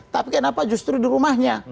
tapi kenapa justru di rumahnya